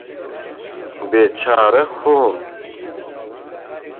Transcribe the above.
بێچارە خۆم